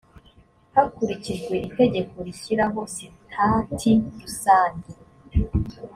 hakurikijwe itegeko rishyiraho sitati rusange